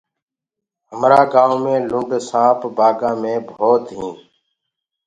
همرآ گآئونٚ ڪآ لِنڊ سآنپ بآگآنٚ مي ديکدآ هينٚ۔